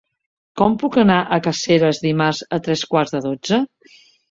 Com puc anar a Caseres dimarts a tres quarts de dotze?